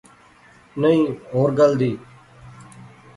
نئیں، ہور گل دی